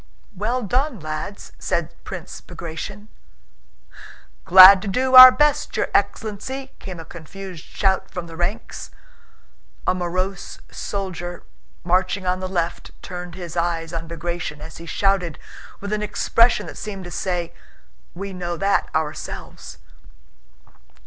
"Well done, lads!" said Prince Bagratión. "Glad to do our best, your ex'len lency!" came a confused shout from the ranks. A morose soldier marching on the left turned his eyes on Bagratión as he shouted, with an expression that seemed to say: "We know that ourselves!"